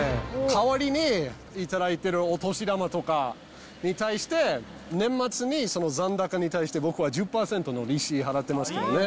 代わりに、頂いてるお年玉とかに対して年末にその残高に対して僕は１０％の利子払ってますからね。